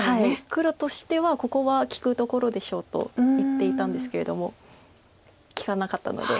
黒としては「ここは利くところでしょう」と言っていたんですけれども利かなかったので。